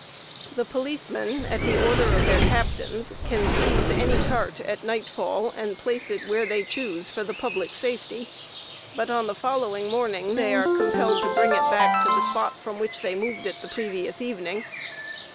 The policemen, at the order of their captains, can seize any cart at night fall and place it where they choose for the public safety, but on the following morning they are compelled to bring it back to the spot from which they moved it the previous evening.